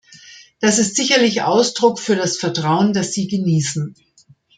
Das ist sicherlich Ausdruck für das Vertrauen, das Sie genießen.